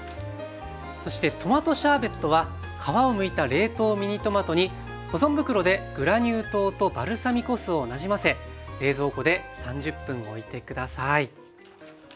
そしてトマトシャーベットは皮をむいた冷凍ミニトマトに保存袋でグラニュー糖とバルサミコ酢をなじませ冷蔵庫で３０分おいて下さい。